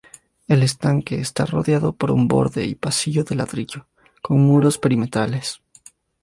El estanque está rodeado por un borde y pasillo de ladrillo, con muros perimetrales.